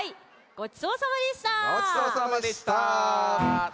ごちそうさまでした。